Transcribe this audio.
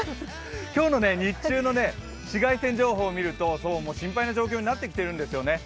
今日の日中の紫外線情報を見ると心配な状況になってきているんですよね。